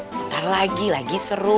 bentar lagi lagi seru